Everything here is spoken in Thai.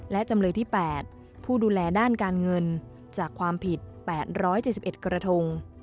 และจำเลยที่๘ผู้ดูแลด้านการเงินจากความผิด๘๗๑กระทง